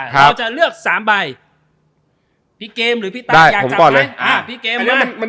ครับเราจะเลือก๓ใบพี่เกมหรือพี่ตายกันอ่ะพี่เกมอ่านี่มันมัน